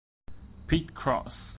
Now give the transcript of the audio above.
Pete Cross